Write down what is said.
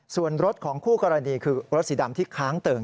ส่วนรถของคู่กรณีคือรถสีดำที่ค้างเติ่ง